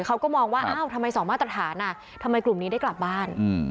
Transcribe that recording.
เขาก็มองว่าอ้าวทำไมสองมาตรฐานทำไมกลุ่มนี้ได้กลับบ้าน